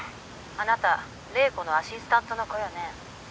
あなた麗子のアシスタントの子よね？